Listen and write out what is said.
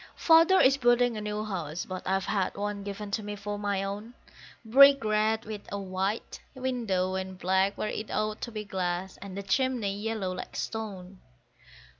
Father is building a new house, but I've had one given to me for my own; Brick red, with a white window, and black where it ought to be glass, and the chimney yellow, like stone.